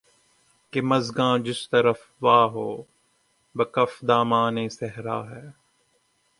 کہ مژگاں جس طرف وا ہو‘ بہ کف دامانِ صحرا ہے